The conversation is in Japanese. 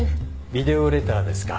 ビデオレターですか。